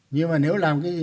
nhưng mà nếu làm cái gì